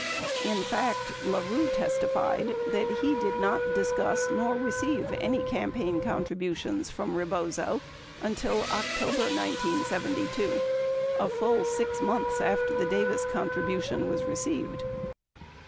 76 In fact, La Rue testified that he did not discuss nor receive any campaign contributions from Rebozo until October 1972, 77 a full 6 months after the Davis contribution was received.